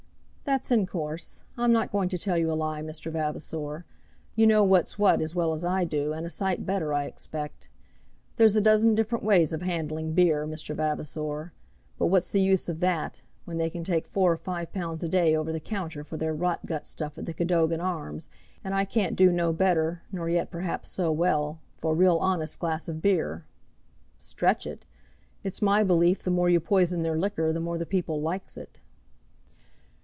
"That's in course. I'm not going to tell you a lie, Mr. Vavasor. You know what's what as well as I do, and a sight better, I expect. There's a dozen different ways of handling beer, Mr. Vavasor. But what's the use of that, when they can take four or five pounds a day over the counter for their rot gut stuff at the 'Cadogan Arms,' and I can't do no better nor yet perhaps so well, for a real honest glass of beer. Stretch it! It's my belief the more you poison their liquor, the more the people likes it!"